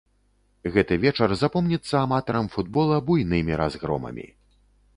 Гэты вечар запомніцца аматарам футбола буйнымі разгромамі.